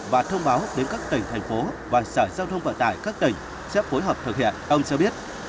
và thông báo đến các tỉnh thành phố và sở giao thông vận tải các tỉnh sẽ phối hợp thực hiện ông cho biết